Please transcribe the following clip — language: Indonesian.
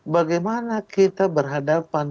bagaimana kita berhadapan